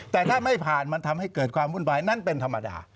แต่ถ้าไม่ผ่านมันทำให้เกิดความวุ่นวายนั้นเป็นธรรมดา